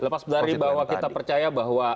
lepas dari bahwa kita percaya bahwa